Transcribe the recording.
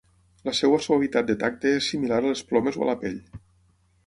La seva suavitat de tacte és similar a les plomes o a la pell.